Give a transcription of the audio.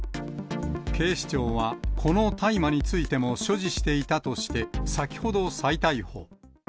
警視庁は、この大麻についても所持していたとして、先ほど再逮捕。